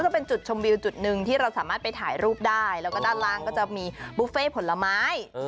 จะเป็นจุดชมวิวจุดหนึ่งที่เราสามารถไปถ่ายรูปได้แล้วก็ด้านล่างก็จะมีบุฟเฟ่ผลไม้